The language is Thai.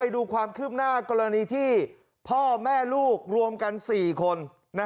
ดูความคืบหน้ากรณีที่พ่อแม่ลูกรวมกัน๔คน